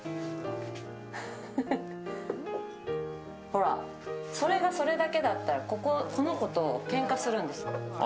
ほら、それがそれだけだったらこの子とけんかするんですよ。